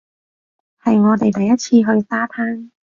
係我哋第一次去沙灘